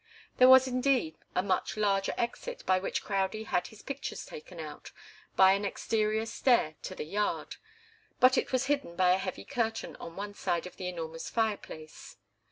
There was, indeed, a much larger exit, by which Crowdie had his pictures taken out, by an exterior stair to the yard, but it was hidden by a heavy curtain on one side of the enormous fireplace.